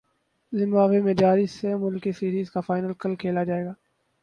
Zimbabwe میں جاری سہ ملکی سیریز کا فائنل کل کھیلا جائے گا